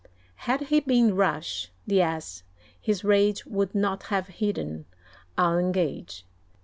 Had he been rash, the Ass, his rage Would not have hidden, I'll engage.